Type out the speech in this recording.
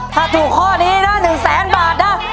ถ้าถูกข้อนี้นะ๑แสนบาทนะ